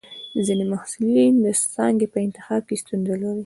ځینې محصلین د څانګې په انتخاب کې ستونزه لري.